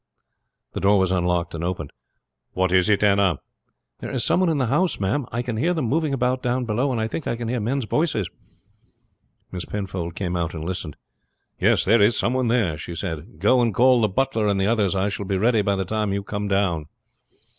The door was unlocked and opened. "What is it, Anna?" "There is some one in the house, ma'am; I can hear them moving about down below, and I think I can hear men's voices." Miss Penfold came out and listened. "Yes, there is some one there," she said. "Go and call the butler and the others. I shall be ready by the time you come down."